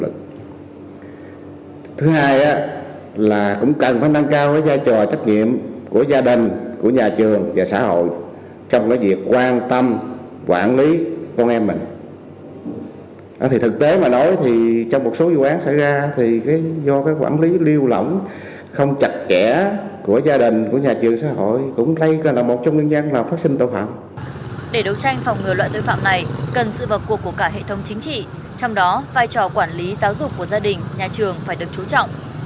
trong đó vai trò quản lý giáo dục của gia đình nhà trường phải được chú trọng